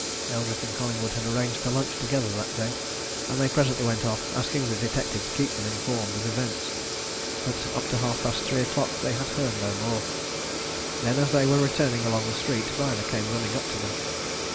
Eldrick and Collingwood had arranged to lunch together that day, and they presently went off, asking the detective to keep them informed of events. But up to half past three o 'clock they heard no more then, as they were returning along the street Byner came running up to them.